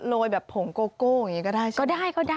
โรยแบบผงโก้โก้อันอย่างงี้ก็ได้ใช่เปล่า